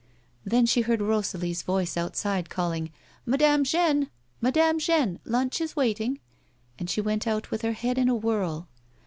Then she heard Rosalie's voice outside, calling ;" Madame Jeanne ! Madame Jeanne ! lunch is waiting," and she went out with her head in a whirl.